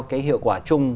cái hiệu quả chung